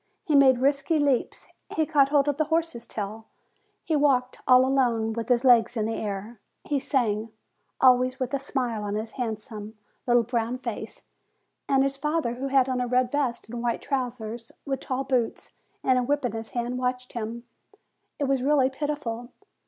He made risky leaps; he caught hold of the horses' tails; he walked, all alone, with his legs in the air; he sang, always with a smile on his handsome, little, brown THE LITTLE CLOWN 147 face. And his father, who had on a red vest and white trousers, with tall boots, and a whip in his hand, watched him. It was really pitiful.